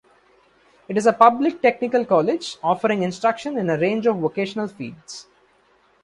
It is a public technical college, offering instruction in a range of vocational fields.